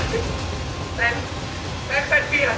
ชื่อฟอยแต่ไม่ใช่แฟง